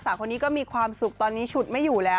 สาวคนนี้ก็มีความสุขตอนนี้ฉุดไม่อยู่แล้ว